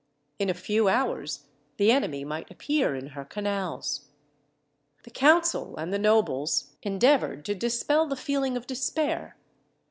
In a few hours, the enemy might appear in her canals. The council and the nobles endeavoured to dispel the feeling of despair.